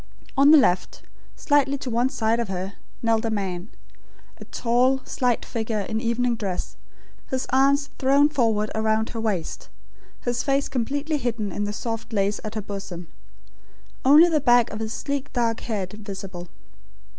On the left, slightly to one side of her, knelt a man, a tall slight figure in evening dress, his arms thrown forward around her waist; his face completely hidden in the soft lace at her bosom; only the back of his sleek dark head, visible.